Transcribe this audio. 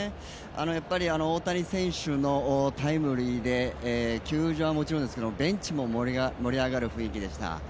大谷選手のタイムリーで球場はもちろんですけど、ベンチも盛り上がる雰囲気でした。